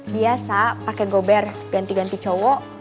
biasa pakai gober ganti ganti cowok